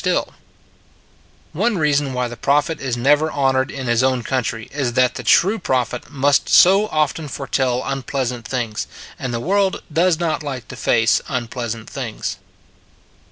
First Look at the Figures 33 One reason why the prophet is never honored in his own country is that the true prophet must so often foretell unpleas ant things ; and the world does not like to face unpleasant things.